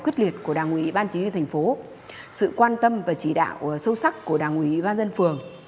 quyết liệt của đảng ủy ban chí huy thành phố sự quan tâm và chỉ đạo sâu sắc của đảng ủy ban dân phường